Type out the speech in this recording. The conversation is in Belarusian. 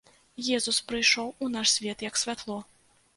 Езус прыйшоў у наш свет як святло.